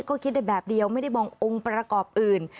ก็คิดได้แบบเดียวไม่ได้มององค์ประกอบอื่น